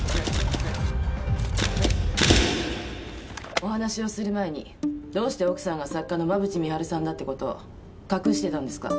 お話をする前にどうして奥さんが作家の馬渕美晴さんだってことを隠してたんですか？